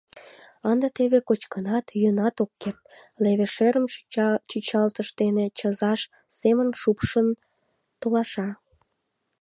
Ынде теве кочкынат, йӱынат ок керт, леве шӧрым чӱчалтыш дене чызаш семын шупшын толаша.